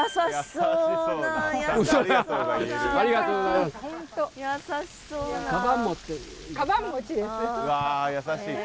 うわ優しい。